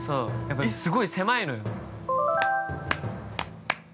◆すごい狭いのよ。